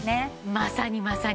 まさにまさに。